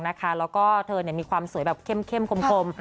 แล้วก็เธอมีความสวยแบบเข้มคม